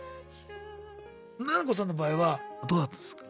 ななこさんの場合はどうだったんですか？